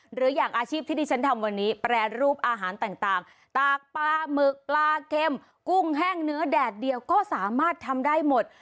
หรืออย่างอาชีพที่ที่ฉันทำวันนี้แปรรูปอาหารต่างตากปลาหมึกปลาเข็มกุ้งแห้งเนื้อแดดเดียวก็สามารถทำได้หมด